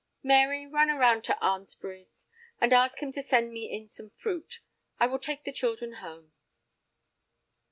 Mary, run around to Arnsbury's and ask him to send me in some fruit. I will take the children home."